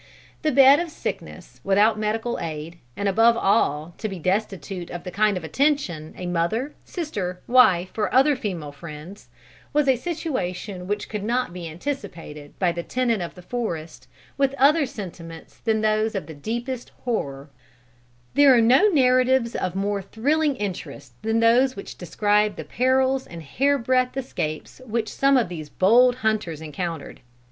The bed of sickness, without medical aid, and above all to be destitute of the kind attention of a mother, sister, wife, or other female friends, was a situation which could not be anticipated by the tenant of the forest, with other sentiments than those of the deepest horror."[D] [Footnote D: Doddridge's Notes.] There are no narratives of more thrilling interest than those which describe the perils and hair breadth escapes which some of these bold hunters encountered.